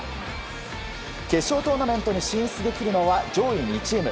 決勝トーナメントに出場できるのは上位２チーム。